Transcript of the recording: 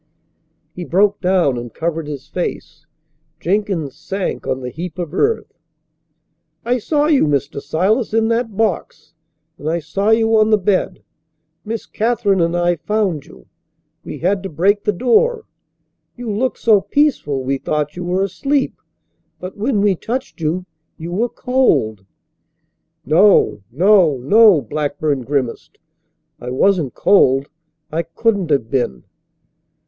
He broke down and covered his face. Jenkins sank on the heap of earth. "I saw you, Mr. Silas, in that box. And I saw you on the bed. Miss Katherine and I found you. We had to break the door. You looked so peaceful we thought you were asleep. But when we touched you you were cold." "No, no, no," Blackburn grimaced. "I wasn't cold. I couldn't have been."